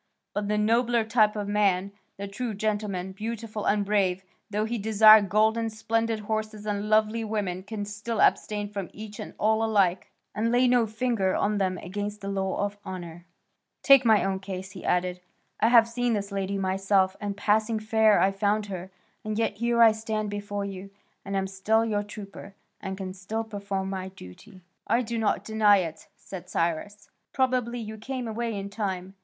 But the nobler type of man, the true gentleman, beautiful and brave, though he desire gold and splendid horses and lovely women, can still abstain from each and all alike, and lay no finger on them against the law of honour. Take my own case," he added, "I have seen this lady myself, and passing fair I found her, and yet here I stand before you, and am still your trooper and can still perform my duty." "I do not deny it," said Cyrus; "probably you came away in time.